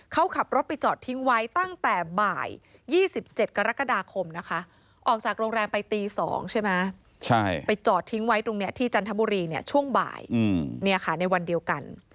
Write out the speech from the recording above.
เขาขับรถไปจอดทิ้งไว้ตั้งแต่บ่าย๒๗กรกฎาคมออกจากโรงแรมไปตี๒ไปจอดทิ้งไว้ที่จันทบุรีช่วงบ่ายในวันเดียวกัน